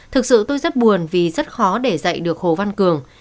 thực sự tôi rất buồn vì rất khó để dạy được hồ văn cường